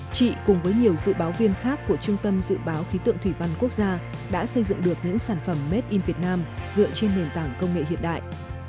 chị cùng với nhiều dự báo viên khác của trung tâm dự báo khí tượng thủy văn quốc gia đã xây dựng được những sản phẩm made in vietnam dựa trên nền tảng công nghệ hiện đại